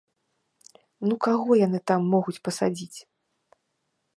Ну каго яны там могуць пасадзіць?